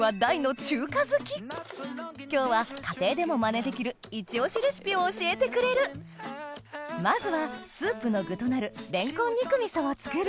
今日は家庭でもマネできるイチ押しレシピを教えてくれるまずはスープの具となるレンコン肉味噌を作る